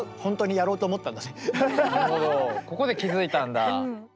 なるほどここで気付いたんだ。